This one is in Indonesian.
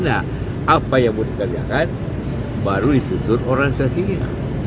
apa yang boleh dikerjakan baru disusun organisasinya